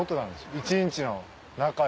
一日の中で。